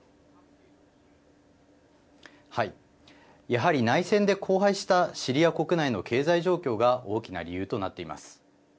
やはり内戦で荒廃したシリア国内の経済状況が大きな理由となっています。